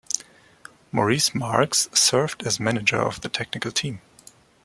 Maurice Marks served as manager of the technical team.